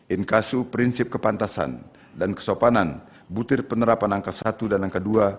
inkasu prinsip kepantasan dan kesopanan butir penerapan angka satu dan angka dua